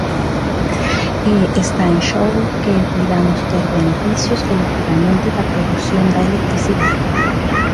E está en xogo que poidamos ter beneficios colectivamente da produción da electricidade.